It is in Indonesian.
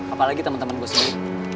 apalagi temen temen gue sendiri